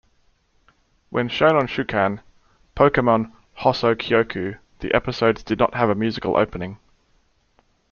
When shown on Shūkan Pokémon Hōsōkyoku, the episodes did not have a musical opening.